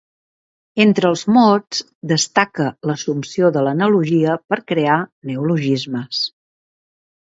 Entre els mots destaca l'assumpció de l'analogia per crear neologismes.